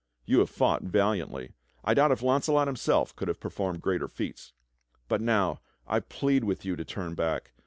You have fought valiantly. I doubt if Launcelot himself could have performed greater feats. But now I plead with you to turn back.